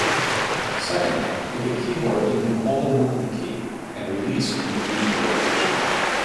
Second, with a keyboard you can hold a movement key and release when you reach your location.